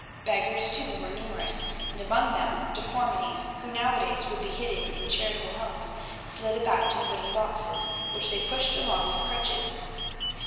Beggars too were numerous, and among them deformities, who, nowadays, would be hidden in charitable homes, slid about in wooden boxes, which they pushed along with crutches.